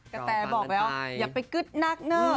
กระแตร์บอกแบบอย่าไปกึดนักเหอะ